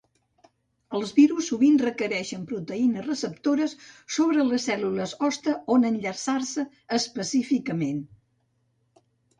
Els virus sovint requereixen proteïnes receptores sobre les cèl·lules hoste on enllaçar-se específicament.